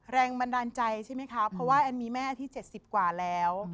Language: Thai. แรงบันดาลใจใช่ไหมครับเพราะว่าแอนมีแม่ที่๗๐กว่าแล้ว